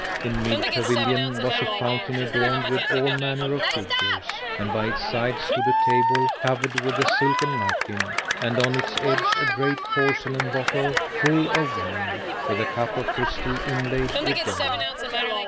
In mid pavilion was a fountain adorned with all manner of figures;[FN#500] and by its side stood a table covered with a silken napkin, and on its edge a great porcelain bottle full of wine, with a cup of crystal inlaid with gold.